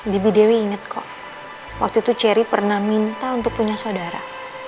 bibi dewi ingat kok waktu itu cherry pernah minta untuk punya saudara